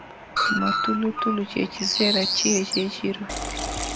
Matulutulu kye kiseera ki eky’ekiro?